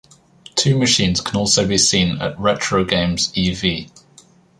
Two machines can also be seen at RetroGames e.V.